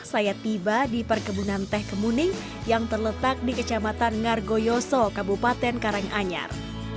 saya tiba di perkebunan teh kemuning yang terletak di kecamatan ngargoyoso kabupaten karanganyar